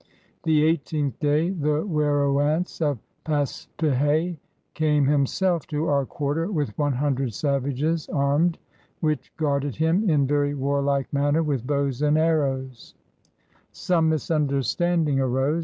The eighteenth day the Werowance of Paspihe came himself e to omr quarter, with one hundred Savages armed which guarded him in very warlike manner with Bowes and Arrowes/* Some misunderstanding arose.